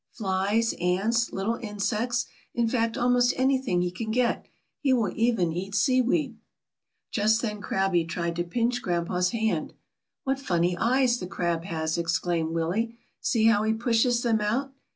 "Flies, ants, little insects, in fact, almost anything he can get. He will even eat sea weed." Just then crabbie tried to pinch grandpa's hand. "What funny eyes the crab has," ex claimed Willie; "see how he pushes them out."